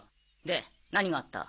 で何があった？